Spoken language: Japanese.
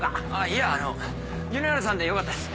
いえあの米原さんでよかったです。